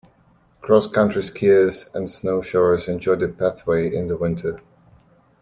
Cross-country skiers and snowshoers enjoy the pathway in the winter.